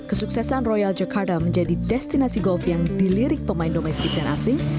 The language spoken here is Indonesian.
kesuksesan royal jakarta menjadi destinasi golf yang dilirik pemain domestik dan asing